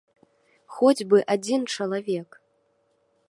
Хоць бы адзін чалавек!